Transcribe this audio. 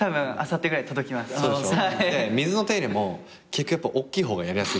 水の手入れも結局やっぱ大きい方がやりやすいから。